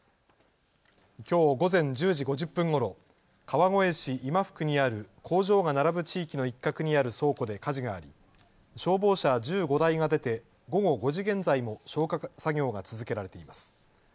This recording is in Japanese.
きょう午前１０時５０分ごろ、川越市今福にある工場が並ぶ地域の一角にある倉庫で火事があり消防車１５台が出て午後５時現在も消火作業が続けられています。